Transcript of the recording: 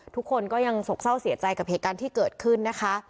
ทุกคนก็ยังสกเศร้าเสียใจกับเหตุการณ์ที่เกิดขึ้นนะคะ